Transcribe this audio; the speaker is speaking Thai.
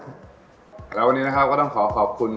แล้ววันนี้นะครับก็ต้องขอขอบคุณ